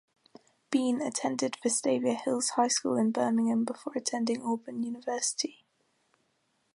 Bean attended Vestavia Hills High School in Birmingham before attending Auburn University.